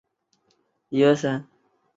毕业于山东师范大学中文专业。